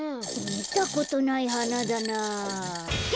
みたことないはなだなあ。